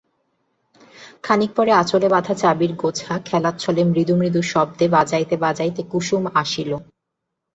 খানিক পরে আঁচলে বাঁধা চাবির গোছা খেলাচ্ছলে মৃদু মৃদু শব্দে বাজাইতে বাজাইতে কুসুম আসিল।